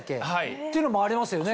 っていうのもありますよね？